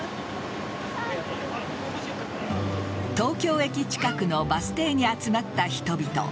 東京駅近くのバス停に集まった人々。